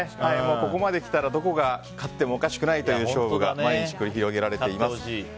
ここまできたらどこが勝ってもおかしくない勝負が毎日繰り広げられています。